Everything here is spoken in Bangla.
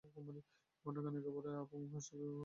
ঘণ্টাখানেক পর অপু মহা উৎসাহের সহিত খাইতে বসিল।